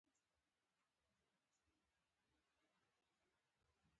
کله کله به يوه آس ټوډه ووهله.